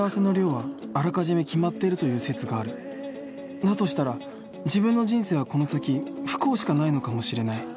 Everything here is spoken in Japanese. だとしたら自分の人生はこの先不幸しかないのかもしれない。